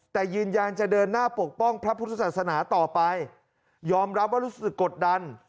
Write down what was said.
แต่ยืนยันจะเดินหน้าปกป้องพระพุทธศาสนาต่อไปยอมรับว่ารู้สึกกดดัน